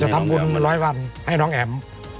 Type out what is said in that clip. ทำบุญร้อยวันให้น้องแอ๋ม